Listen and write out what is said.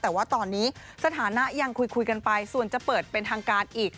แต่ว่าตอนนี้สถานะยังคุยกันไปส่วนจะเปิดเป็นทางการอีก